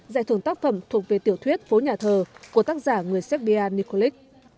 giải thưởng tác phẩm thuộc về tiểu thuyết phố nhà thờ của tác giả người serbia nikolic